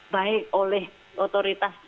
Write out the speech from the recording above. baik oleh otoritas